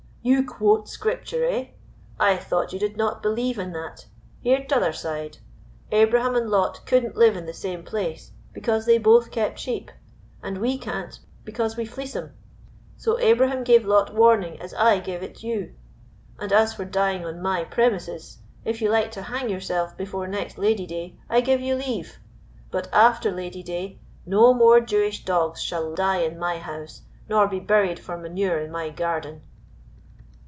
you quote Scripture, eh? I thought you did not believe in that. Hear t'other side. Abraham and Lot couldn't live in the same place, because they both kept sheep, and we can't, because we fleece 'em. So Abraham gave Lot warning as I give it you. And as for dying on my premises, if you like to hang yourself before next Lady day, I give you leave, but after Lady day no more Jewish dogs shall die in my house nor be buried for manure in my garden."